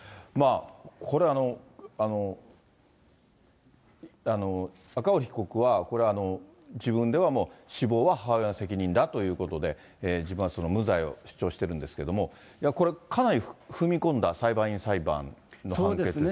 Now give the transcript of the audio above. これ、赤堀被告は自分ではもう、死亡は母親の責任だということで、自分は無罪を主張しているんですけれども、いや、これ、かなり踏み込んだ裁判員裁判の判決ですよね。